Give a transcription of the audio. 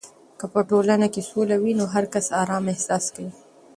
که په ټولنه کې سوله وي، نو هر کس آرام احساس کوي.